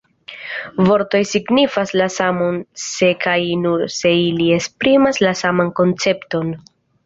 Vortoj signifas la samon se kaj nur se ili esprimas la saman koncepton.